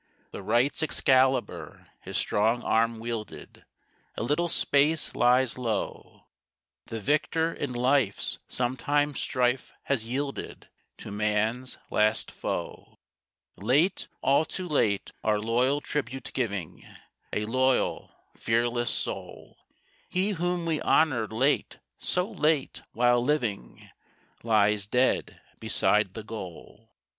The Right's Excalibur his strong arm wielded A little space lies low; The victor in life's sometime strife has yielded To man's last Foe. Late all too late our loyal tribute giving A loyal, fearless soul! He whom we honored late so late while living, Lies dead beside the goal.